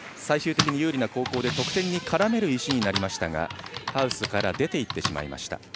最終的に有利な後攻で得点に絡める石になりましたがハウスから出て行ってしまいました。